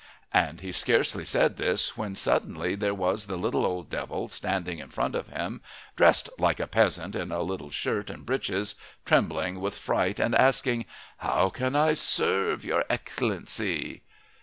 And he had scarcely said this when suddenly there was the little old devil standing in front of him, dressed like a peasant in a little shirt and breeches, trembling with fright and asking: "How can I serve your Excellency?"